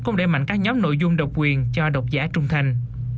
cũng để mạnh các nhóm nội dung độc quyền cho độc giả trung thành